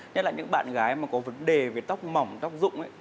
nhất là những bạn gái mà có vấn đề về tóc mỏng tóc rụng